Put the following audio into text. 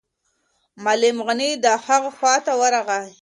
معلم غني د هغه خواته ورغی.